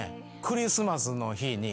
クリスマスの日に。